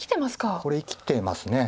これ生きてます。